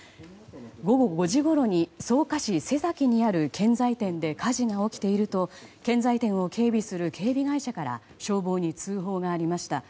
午後５時ごろに草加市瀬崎にある建材店で火事が起きていると建材店を警備する警備会社から消防に通報がありました。